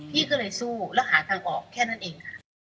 พี่ก็เลยสู้แล้วหาทางออกแค่นั้นเองค่ะ